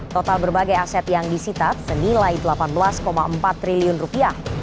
total berbagai aset yang disitat senilai delapan belas empat triliun rupiah